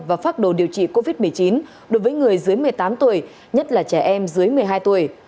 và phác đồ điều trị covid một mươi chín đối với người dưới một mươi tám tuổi nhất là trẻ em dưới một mươi hai tuổi